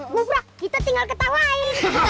lupa kita tinggal ketawa ir